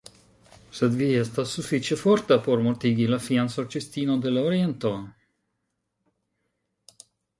Sed vi estis sufiĉe forta por mortigi la fian Sorĉistinon de la Oriento?